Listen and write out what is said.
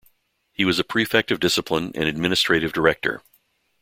He was a Prefect of Discipline and Administrative Director.